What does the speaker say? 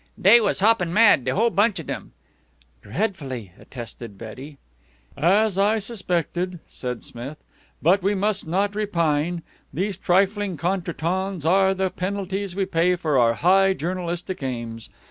"Dey was hoppin' mad, de whole bunch of dem." "Dreadfully," attested Betty. "As I suspected," said Smith, "but we must not repine. These trifling contretemps are the penalties we pay for our high journalistic aims.